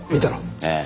ええ。